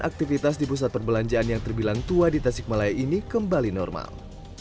aktivitas di pusat perbelanjaan yang terbilang tua di tasikmalaya ini kembali normal